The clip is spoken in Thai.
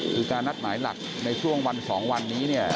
คือการนัดหมายหลักในช่วงวัน๒วันนี้เนี่ย